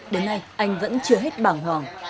đến nay anh vẫn chưa hết bảng hoàng